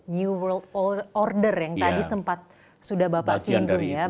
new world order yang tadi sempat sudah bapak sebut